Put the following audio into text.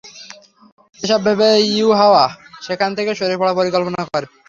এসব ভেবে ইউহাওয়া সেখান থেকে সরে পড়ার পরিকল্পনা করে।